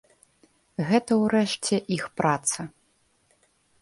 Гэта, урэшце, іх праца.